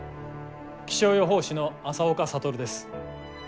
気象予報士の朝岡覚です。